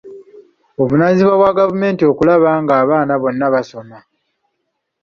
Buvunaanyizibwa bwa gavumenti okulaba ng'abaana bonna basoma.